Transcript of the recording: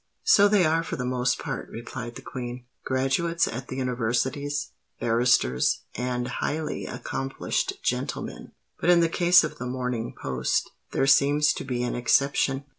"So they are for the most part," replied the Queen: "graduates at the Universities—barristers—and highly accomplished gentlemen. But in the case of the Morning Post there seems to be an exception.